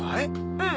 うん。